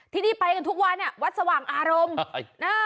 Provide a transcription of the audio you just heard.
ที่นี่ไปกันทุกวันอ่ะวัดสว่างอารมณ์